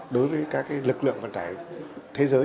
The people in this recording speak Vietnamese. đối với các lực lượng vận tải thế giới